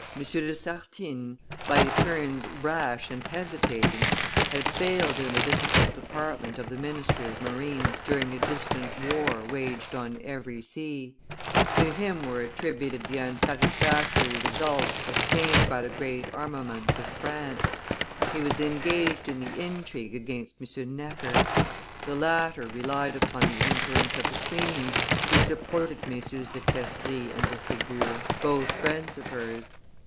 de Sartines, by turns rash and hesitating, had failed in the difficult department of the ministry of marine during a distant war waged on every sea; to him were attributed the unsatisfatory results obtained by the great armaments of France; he was engaged in the intrigue against M. Necker. The latter relied upon the influence of the queen, who supported MM. de Castries and de Segur, both friends of hers.